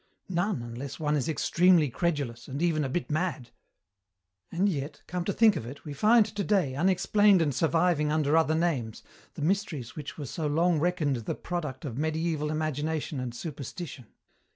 None, unless one is extremely credulous, and even a bit mad. "And yet, come to think of it, we find today, unexplained and surviving under other names, the mysteries which were so long reckoned the product of mediæval imagination and superstition.